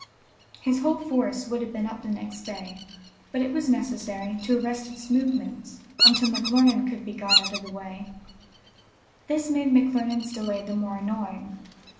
His whole force would have been up the next day, but it was necessary to arrest its movements until McClernand could be got out of the way; this made McClernand's delay the more annoying.